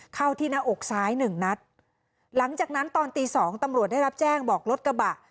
เข้าที่หน้าอกซ้ายหนึ่งนัดหลังจากนั้นตอนตีสองตำรวจได้รับแจ้งบอกรถกระบะ